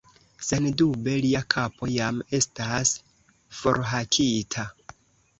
Sendube, lia kapo jam estas forhakita.